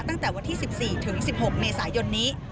ตั้งแต่วันที่๑๔ถึง๑๖เมษายนนี้